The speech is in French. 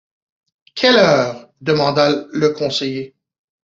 Quelle heure ? demanda le conseiller.